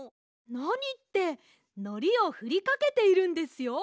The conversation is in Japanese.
なにってのりをふりかけているんですよ。